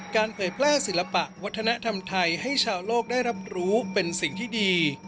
เผยแพร่ศิลปะวัฒนธรรมไทยให้ชาวโลกได้รับรู้เป็นสิ่งที่ดี